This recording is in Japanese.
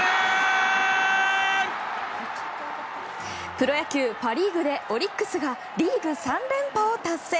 プロ野球パ・リーグでオリックスがリーグ３連覇を達成。